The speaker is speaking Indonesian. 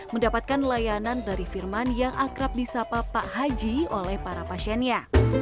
mendapatkan layanan dari firman yang akrab di sapa pak haji oleh para pasiennya